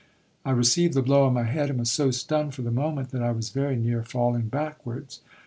I received the blow on my head, and was so stunned for the moment, that I was very near falling backwards.